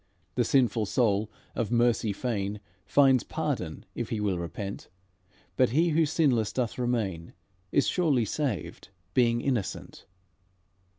The sinful soul of mercy fain Finds pardon if he will repent, But he who sinless doth remain Is surely saved, being innocent."